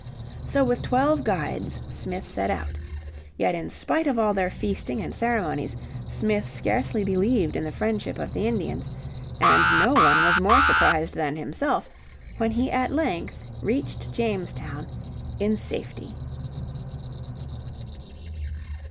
So with twelve guides Smith set out. Yet in spite of all their feasting and ceremonies Smith scarcely believed in the friendship of the Indians, and no one was more surprised than himself when he at length reached Jamestown in safety.